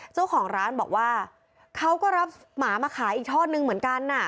เจ้าของร้านบอกว่าเขาก็รับหมามาขายอีกทอดนึงเหมือนกัน